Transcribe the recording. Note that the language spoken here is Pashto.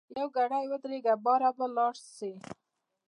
یوګړی ودریږه باره به ولاړ سی.